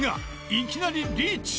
いきなりリーチ！